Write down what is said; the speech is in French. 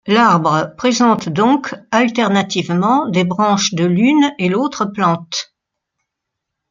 L'arbre présente donc alternativement des branches de l'une et l'autre plantes.